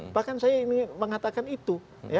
bahkan saya ingin mengatakan itu